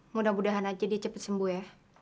mudah mudahan aja dia cepat sembuh ya